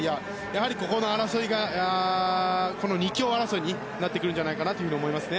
やはりここの争いがこの２強争いになってくるんじゃないかなと思います。